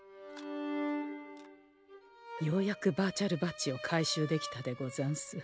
ようやくバーチャルバッジを回収できたでござんす。